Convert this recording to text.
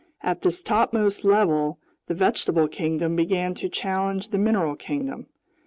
At this topmost level the vegetable kingdom began to challenge the mineral kingdom.